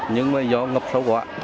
nhưng mà do ngập sâu khoảng